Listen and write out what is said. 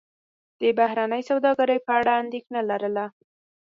د بهرنۍ سوداګرۍ په اړه اندېښنه لرله.